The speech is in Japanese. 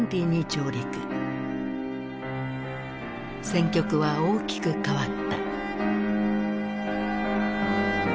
戦局は大きく変わった。